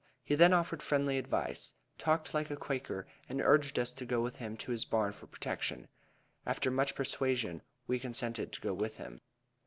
He then offered friendly advice, talked like a Quaker, and urged us to go with him to his barn for protection. After much persuasion, we consented to go with him.